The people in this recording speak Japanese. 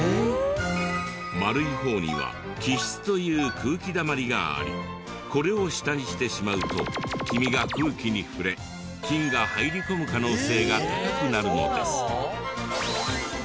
丸い方には気室という空気だまりがありこれを下にしてしまうと黄身が空気に触れ菌が入り込む可能性が高くなるのです。